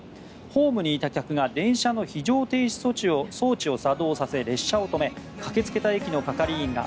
ホームにいた客が電車の非常停止装置を作動させ列車を止め駆け付けた駅の係員が